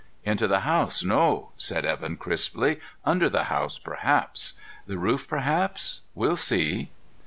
"Into the house, no," said Evan crisply. "Under the house, perhaps. The roof, perhaps. We'll see."